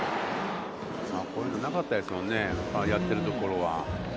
こういうのなかったですもんね、やってるところは。